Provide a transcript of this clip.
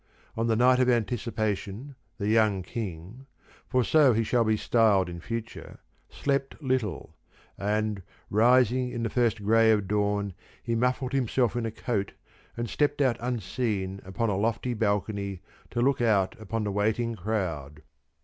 On the night of anticipation the young King for so he shall be styled in future slept little, and rising in the first grey of dawn he muffled himself in a coat and stepped out unseen upon a lofty balcony to look out upon the waiting crowd.